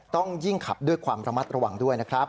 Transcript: ต้องยิ่งขับด้วยความระมัดระวังด้วยนะครับ